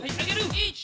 １！